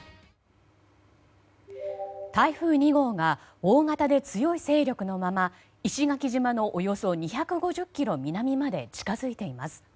台風２号が大型で強い勢力のまま石垣島のおよそ２５０ｋｍ南まで近づいています。